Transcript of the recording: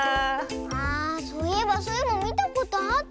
ああそういえばスイもみたことあった。